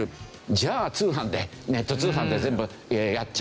じゃあ通販でネット通販で全部やっちゃおう。